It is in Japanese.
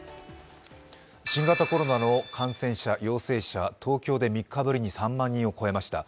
新型コロナの感染者、陽性者、東京で３日ぶりに３万人を超えました。